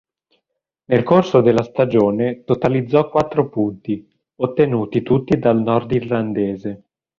Nel corso della stagione totalizzò quattro punti, ottenuti tutti dal nord-irlandese.